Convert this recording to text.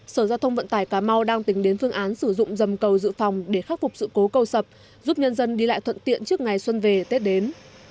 sở giao thông vận tải cà mau đang tính đến phương án sử dụng dầm cầu dự phòng để khắc phục sự cố cầu sập giúp nhân dân đi lại thuận tiện trước ngày xuân về tết đến